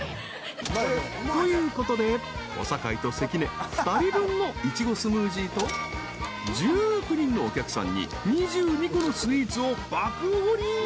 ［ということで小堺と関根２人分のいちごスムージーと１９人のお客さんに２２個のスイーツを爆おごり］